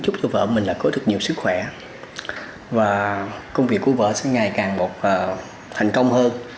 chúc cho vợ mình là có được nhiều sức khỏe và công việc của vợ sẽ ngày càng một thành công hơn